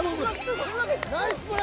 ナイスプレー！